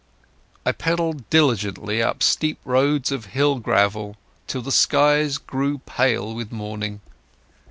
I pedalled diligently up steep roads of hill gravel till the skies grew pale with morning.